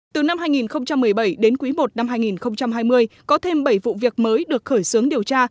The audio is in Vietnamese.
từ năm hai nghìn một mươi bảy đến quý i năm hai nghìn hai mươi có thêm bảy vụ việc mới được khởi xướng điều tra